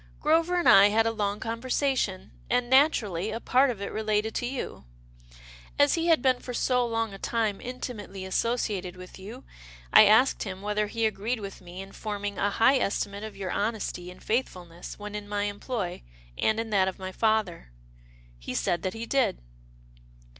" Grover and I had a long conversation, and naturally a part of it related to you. As he had been for so long a time intimately associated with you, I asked him whether he agreed with me in forming a high estimate of your honesty and faith fulness when in my employ, and in that of my father. He said that he did."